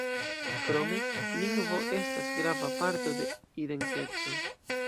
Krome, lingvo estas grava parto de identeco.